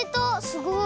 すごい。